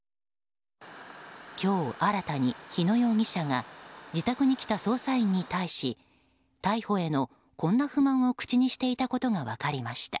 今日、新たに日野容疑者が自宅に来た捜査員に対し逮捕への、こんな不満を口にしていたことが分かりました。